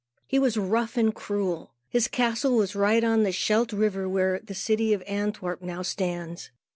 He was rough and cruel. His castle was on the Scheldt River, where the city of Antwerp now stands.